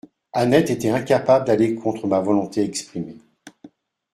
Annette était incapable d'aller contre ma volonté exprimée.